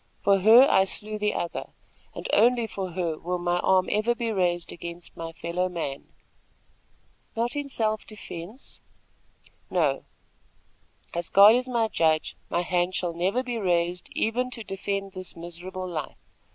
For her, I slew the other, and only for her will my arm ever be raised against my fellow man." "Not even in self defence?" "No, as God is my judge, my hand shall never be raised even to defend this miserable life.